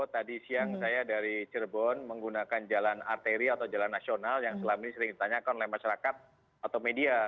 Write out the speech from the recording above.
tadi siang saya dari cirebon menggunakan jalan arteri atau jalan nasional yang selama ini sering ditanyakan oleh masyarakat atau media